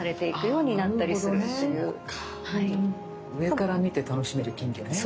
上から見て楽しめる金魚ね。